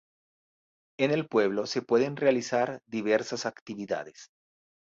En el pueblo se pueden realizar diversas actividades.